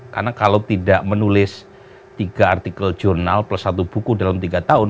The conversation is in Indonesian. karena kalau tidak menulis tiga artikel jurnal plus satu buku dalam tiga tahun